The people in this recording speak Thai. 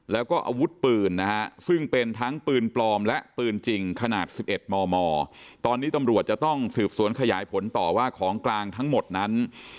แล้วก็อาวุธปืนนะฮะซึ่งเป็นทั้งปืนปลอมและปืนจริงขนาด๑๑มมตอนนี้ตำรวจจะต้องสืบสวนขยายผลต่อว่าของกลางทั้งหมดนั้น